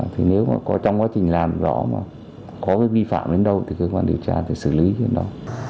thì nếu mà có trong quá trình làm rõ mà có cái vi phạm đến đâu thì cơ quan điều tra phải xử lý đến đó